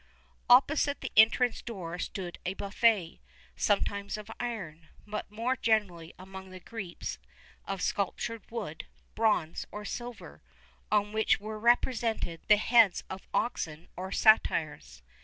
[XXXI 12] Opposite the entrance door stood a buffet, sometimes of iron, but more generally among the Greeks of sculptured wood, bronze, or silver, on which were represented the heads of oxen or satyrs.